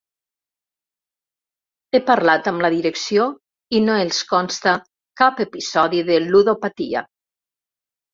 He parlat amb la direcció i no els consta cap episodi de ludopatia.